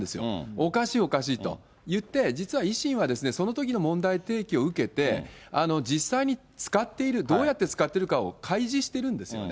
おかしい、おかしいと言って、実は維新はそのときの問題提起を受けて、実際に使っている、どうやって使っているかを開示してるんですよね。